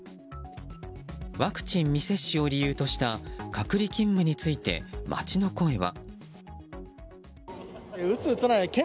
ワクチン未接種を利用とした隔離勤務について街の声は。